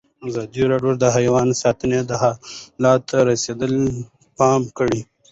ازادي راډیو د حیوان ساتنه حالت ته رسېدلي پام کړی.